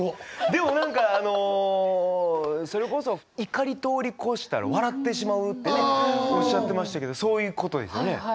でも何かあのそれこそ怒り通り越したら笑ってしまうってねおっしゃってましたけどそういうことですよね？